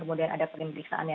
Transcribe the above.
kemudian ada perimitiksaan ya